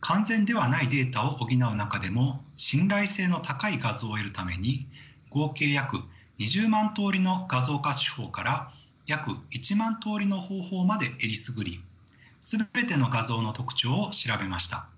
完全ではないデータを補う中でも信頼性の高い画像を得るために合計約２０万通りの画像化手法から約１万通りの方法までえりすぐり全ての画像の特徴を調べました。